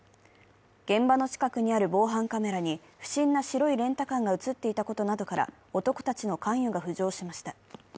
現場の近くにある防犯カメラに不審な白いレンタカーが映っていたことなどから映っていたことなどから男たちの関与が浮上しました。